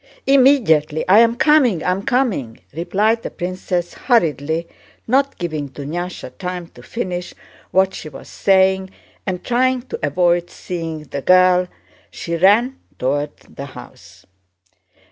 "Immediately, I'm coming, I'm coming!" replied the princess hurriedly, not giving Dunyásha time to finish what she was saying, and trying to avoid seeing the girl she ran toward the house.